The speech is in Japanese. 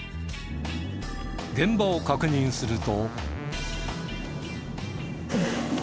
現場を確認すると。